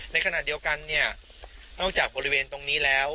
ในขณะเดียวกันเนี่ยนอกจากบริเวณตรงนี้แล้ว